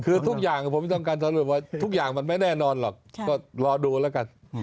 คือทุกอย่างผมทำการสรุปว่าทุกอย่างมันไม่แน่นอนหรอกก็รอดูแล้วกัน